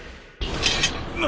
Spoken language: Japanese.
何！？